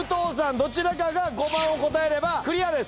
どちらかが５番を答えればクリアです。